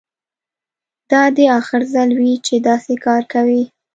دا دې اخر ځل وي چې داسې کار کوې